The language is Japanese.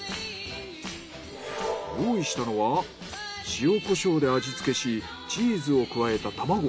用意したのは塩・コショウで味付けしチーズを加えた卵。